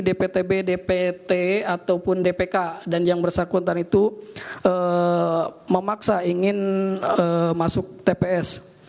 dptb dpt ataupun dpk dan yang bersangkutan itu memaksa ingin masuk tps